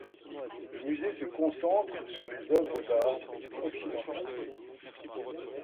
Le musée se concentre sur les œuvres d'art du occidental.